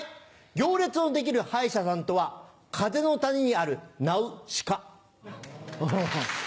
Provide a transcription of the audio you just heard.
行列の出来る歯医者さんとは風の谷にあるナウ「シカ」。